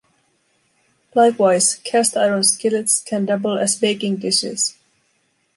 Likewise, cast-iron skillets can double as baking dishes.